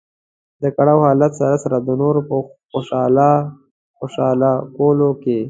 د کړاو حالت سره سره د نورو په خوشاله کولو کې.